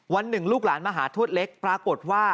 วันหนึ่งลูกหลานมาหาทวดเล็กปรากฏว่า